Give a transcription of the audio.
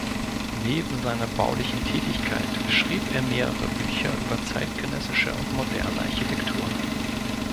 Neben seiner baulichen Tätigkeit schrieb er mehrere Bücher über zeitgenössische und moderne Architektur.